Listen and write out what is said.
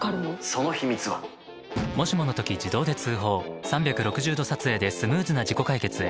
そのヒミツは３６０°撮影でスムーズな事故解決へそれが「プレドラ」